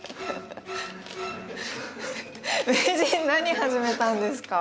名人何始めたんですか？